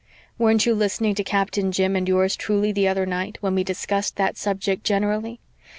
"Weren't you listening to Captain Jim and yours truly the other night when we discussed that subject generally?